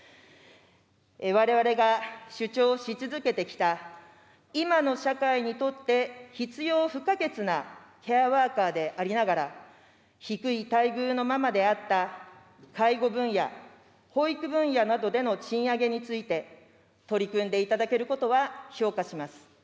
われわれが主張し続けてきた、今の社会にとって必要不可欠なケアワーカーでありながら、低い待遇のままであった介護分野、保育分野などでの賃上げについて、取り組んでいただけることは評価します。